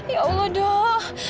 ya allah dok